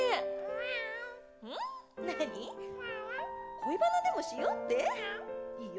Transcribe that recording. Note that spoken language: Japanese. コイバナでもしようって？いいよ。